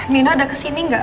nino ada kesini nggak